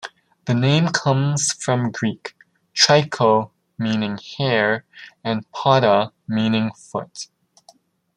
The name comes from Greek, "Tricho" meaning hair and "poda" meaning foot.